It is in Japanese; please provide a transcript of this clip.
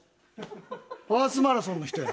アースマラソンの人やん。